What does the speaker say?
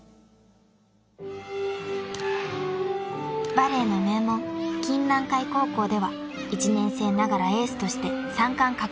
［バレーの名門金蘭会高校では１年生ながらエースとして３冠獲得に貢献］